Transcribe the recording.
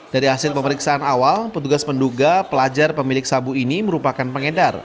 dari hasil pemeriksaan awal petugas menduga pelajar pemilik sabu ini merupakan pengedar